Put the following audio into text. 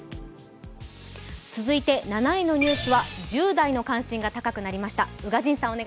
続いて７位のニュースは１０代の関心が高くなりました。